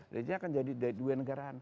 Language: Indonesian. jadi akan jadi dua negara